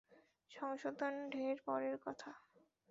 সংশোধন ঢের পরের কথা।